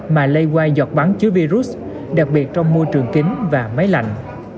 mà lây quai giọt bắn chứa virus đặc biệt trong môi trường kính và máy lạnh